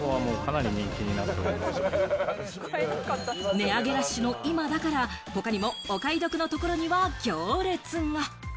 値上げラッシュの今だから、他にもお買い得のところには行列が。